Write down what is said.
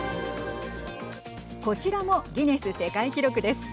こちらもギネス世界記録です。